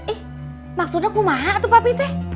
eh maksudnya kumaha tuh papi teh